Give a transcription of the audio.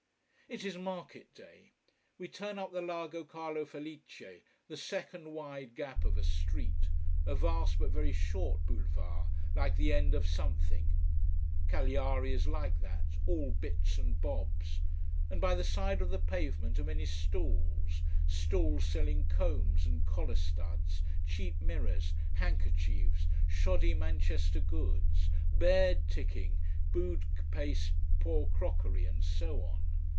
It is market day. We turn up the Largo Carlo Felice, the second wide gap of a street, a vast but very short boulevard, like the end of something. Cagliari is like that: all bits and bobs. And by the side of the pavement are many stalls, stalls selling combs and collar studs, cheap mirrors, handkerchiefs, shoddy Manchester goods, bed ticking, boot paste, poor crockery, and so on.